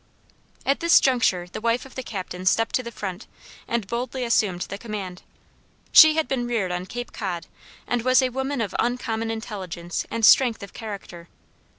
At this juncture the wife of the captain stepped to the front, and boldly assumed the command. She had been reared on Cape Cod, and was a woman of uncommon intelligence and strength of character.